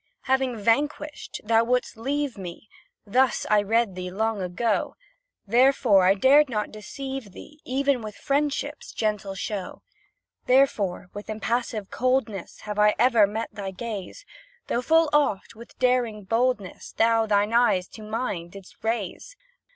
Having vanquished, thou wouldst leave me! Thus I read thee long ago; Therefore, dared I not deceive thee, Even with friendship's gentle show. Therefore, with impassive coldness Have I ever met thy gaze; Though, full oft, with daring boldness, Thou thine eyes to mine didst raise.